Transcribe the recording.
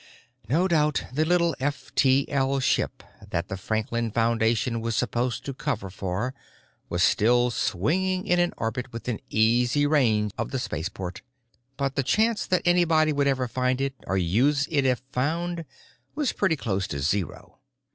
No doubt the little F T L ship that the Franklin Foundation was supposed to cover for was still swinging in an orbit within easy range of the spaceport; but the chance that anybody would ever find it, or use it if found, was pretty close to zero.